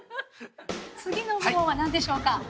次の部門はなんでしょうか？